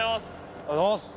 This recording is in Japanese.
おはようございます。